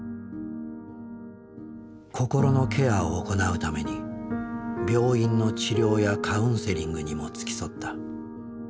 心のケアを行うために病院の治療やカウンセリングにも付き添った。